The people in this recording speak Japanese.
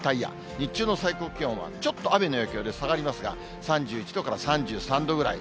日中の最高気温はちょっと雨の影響で下がりますが、３１度から３３度ぐらい。